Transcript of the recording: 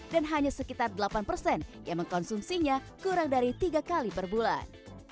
dan hanya sekitar delapan yang mengkonsumsinya kurang dari tiga kali per bulan